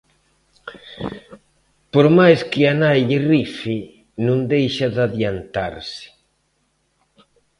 Por máis que a nai lle rife, non deixa de adiantarse.